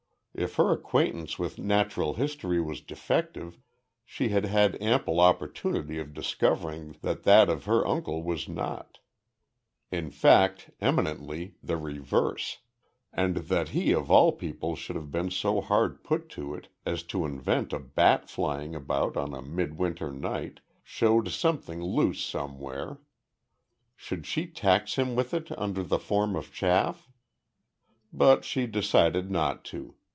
If her acquaintance with natural history was defective, she had had ample opportunity of discovering that that of her uncle was not; in fact, eminently the reverse, and that he of all people should have been so hard put to it as to invent a bat flying about on a mid winter night, showed something loose somewhere. Should she tax him with it under the form of chaff? But she decided not to.